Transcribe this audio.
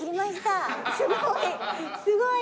すごい！